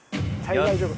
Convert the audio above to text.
大丈夫。